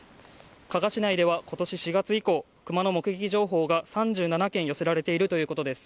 加賀市内では今年４月以降クマの目撃情報が３７件寄せられているということです。